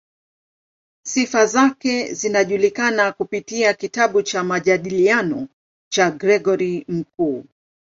Sifa zake zinajulikana kupitia kitabu cha "Majadiliano" cha Gregori Mkuu.